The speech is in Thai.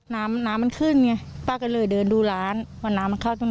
น้ำน้ำมันขึ้นไงป้าก็เลยเดินดูร้านว่าน้ำมันเข้าตรง